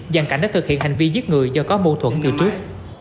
giàn cảnh để thực hiện hành vi giết người do có mâu thuẫn từ trước